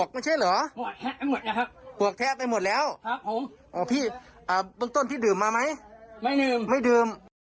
ไม่ดื่ม